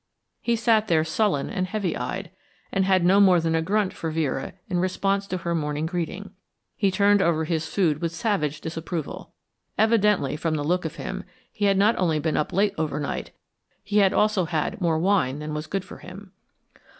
He sat there sullen and heavy eyed, and had no more than a grunt for Vera in response to her morning greeting. He turned over his food with savage disapproval. Evidently, from the look of him, he had not only been up late overnight, but he had also had more wine than was good for him.